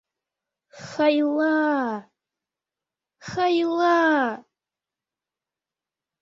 — Хай-ла-а, хай-ла-а...